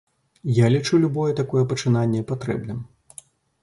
Я лічу любое такое пачынанне патрэбным.